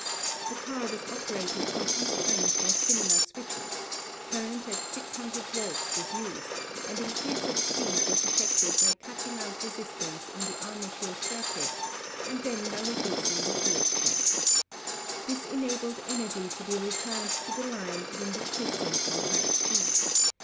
The car was operated from each end by similar switches, current at 600 volts was used, and increase of speed was effected by cutting out re sistance in the armature circuit and then by reducing the field strength. This enabled energy to be returned to the line when decreasing from high speed.